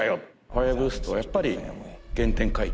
ファイヤーブーストはやっぱり原点回帰